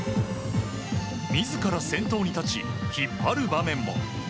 自ら先頭に立ち引っ張る場面も。